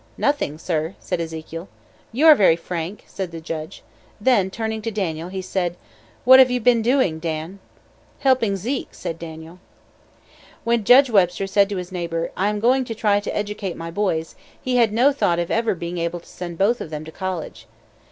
"Nothing, sir," said Ezekiel. "You are very frank," said the judge. Then turning to Daniel, he said: "What have you been doing, Dan?" "Helping Zeke," said Daniel. When Judge Webster said to his neighbor, "I am going to try to educate my boys," he had no thought of ever being able to send both of them to college.